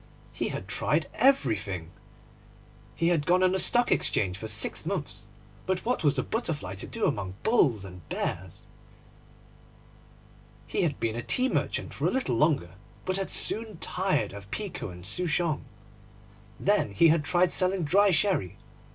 He had tried everything. He had gone on the Stock Exchange for six months; but what was a butterfly to do among bulls and bears? He had been a tea merchant for a little longer, but had soon tired of pekoe and souchong. Then he had tried selling dry sherry.